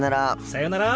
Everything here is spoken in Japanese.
さよなら。